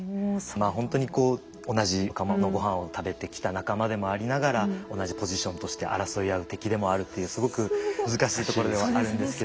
まあほんとにこう同じ釜のごはんを食べてきた仲間でもありながら同じポジションとして争い合う敵でもあるっていうすごく難しいところではあるんですけど。